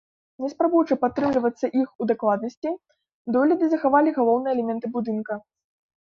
Не спрабуючы прытрымлівацца іх у дакладнасці, дойліды захавалі галоўныя элементы будынка.